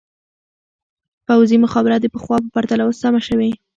پوځي مخابره د پخوا په پرتله اوس سمه شوې.